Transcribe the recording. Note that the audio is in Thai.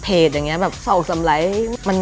เพจอย่างนี้แบบ๒๓ไลค์